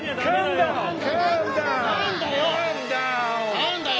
何だよ！